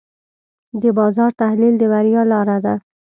د بازار تحلیل د بریا لاره ده.